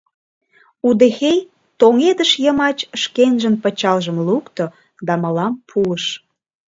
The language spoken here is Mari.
Удэхей тоҥедыш йымач шкенжын пычалжым лукто да мылам пуыш.